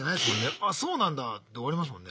「あそうなんだ」で終わりますもんね。